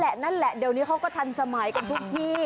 นั่นแหละนั่นแหละเดี๋ยวนี้เขาก็ทันสมัยกันทุกที่